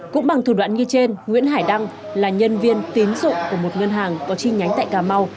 cũng bằng thủ đoạn như trên nguyễn hải đăng là nhân viên tín dụng của một ngân hàng có chi nhánh tại cà mau